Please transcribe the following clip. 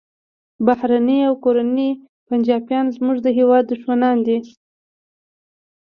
بهرني او کورني پنجابیان زموږ د هیواد دښمنان دي